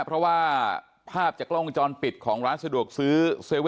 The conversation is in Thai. เพราะว่าภาพจากกล้องวงจรปิดของร้านสะดวกซื้อ